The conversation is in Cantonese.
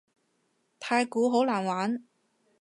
太鼓好難玩